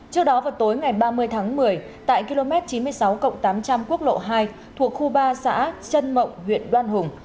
trước đó vào tối ngày ba mươi tháng một mươi tại km chín mươi sáu tám trăm linh quốc lộ hai thuộc khu ba xã trân mộng huyện đoan hùng